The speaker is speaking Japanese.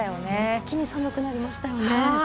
一気に寒くなりましたね。